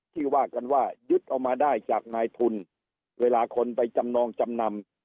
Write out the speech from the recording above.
ที่ว่ากันว่ายึดเอามาได้จากนายทุนเวลาคนไปจำนองจำนำ